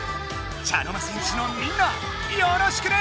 茶の間戦士のみんなよろしくね！